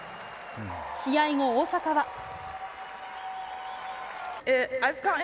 試合後、大坂は。